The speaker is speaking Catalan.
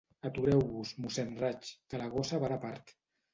Atureu-vos, mossén Raig, que la gossa va de part.